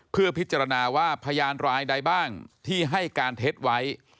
เพื่อพิจารณาว่าพยานรายใดบ้างที่ให้การเท็จไว้